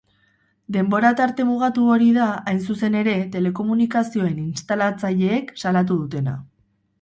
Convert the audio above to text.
Denbora-tarte mugatu hori da, hain zuzen ere, telekomunikazioen instalatzaileek salatu dutena.